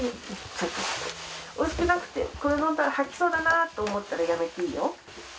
おいしくなくて、これ飲んだら吐きそうだなと思ったら、やめていいよ。